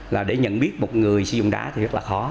là để nhận biết một người sử dụng đá thì rất là khó